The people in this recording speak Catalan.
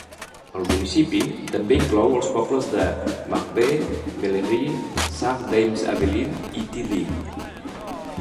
El municipi també inclou els pobles de Marbais, Mellery, Sart-Dames-Avelines i Tilly.